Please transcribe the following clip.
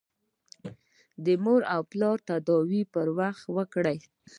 د مور او پلار تداوي پر وخت وکړئ.